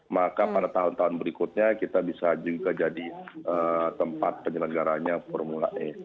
maka pada tahun tahun berikutnya kita bisa juga jadi tempat penyelenggaranya formula e